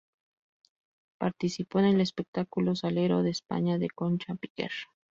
Participó en el espectáculo "Salero de España" de Concha Piquer.